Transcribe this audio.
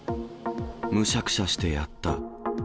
むしゃくしゃしてやった。